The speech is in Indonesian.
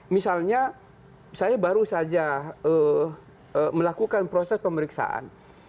misalnya saya baru saja melakukan proses pemeriksaan